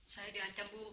saya dihancam bu